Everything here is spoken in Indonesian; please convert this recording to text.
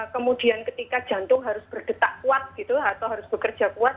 kemudian ketika jantung harus berdetak kuat gitu atau harus bekerja kuat